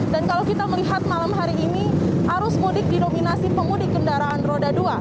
dan kalau kita melihat malam hari ini arus mudik dinominasi pemudik kendaraan roda dua